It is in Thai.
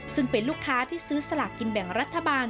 ซึ่งเป็นลูกค้าที่ซื้อสลากกินแบ่งรัฐบาล